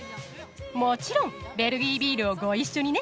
もちろんベルギービールをご一緒にね！